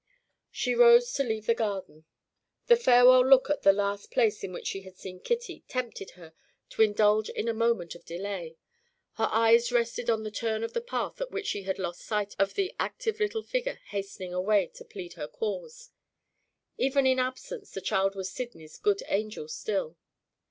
She rose to leave the garden. A farewell look at the last place in which she had seen Kitty tempted her to indulge in a moment of delay. Her eyes rested on the turn in the path at which she had lost sight of the active little figure hastening away to plead her cause. Even in absence, the child was Sydney's good angel still.